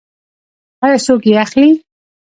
آیا څوک یې اخلي؟